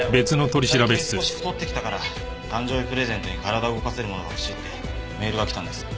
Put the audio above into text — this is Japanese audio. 最近少し太ってきたから誕生日プレゼントに体動かせるものが欲しいってメールがきたんです。